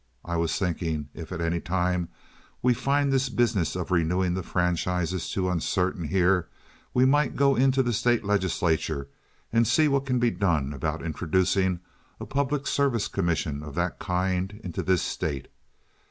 I was thinking if at any time we find this business of renewing the franchises too uncertain here we might go into the state legislature and see what can be done about introducing a public service commission of that kind into this state.